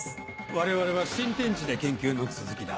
我々は新天地で研究の続きだ。